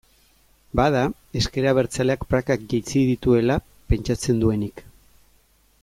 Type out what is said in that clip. Bada ezker abertzaleak prakak jaitsi dituela pentsatzen duenik.